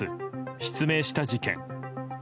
失明した事件。